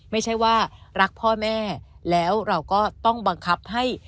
ไม่ใช่ว่ารักพ่อแม่แล้วเราก็ต้องบังคับให้